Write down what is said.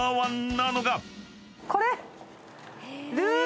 これ！